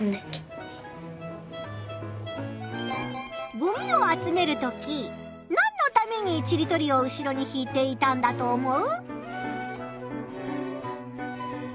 ごみを集めるときなんのためにちりとりを後ろに引いていたんだと思う？